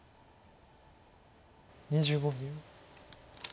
２５秒。